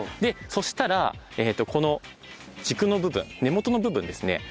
そしたらこの軸の部分根元の部分ですね